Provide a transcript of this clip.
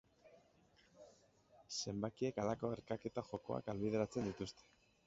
Zenbakiek halako erkaketa jokoak ahalbidetzen dituzte.